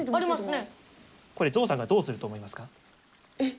これゾウさんがどうすると思いますか？